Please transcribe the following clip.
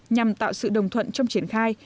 nhằm tạo sự đồng thuận trong triển khai